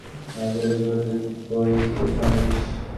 মালীদের জুটত দই চিঁড়ে সন্দেশ।